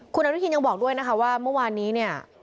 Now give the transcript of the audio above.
คุณอนุทินยังบอกด้วยนะคะว่าเมื่อวานนี้เนี่ย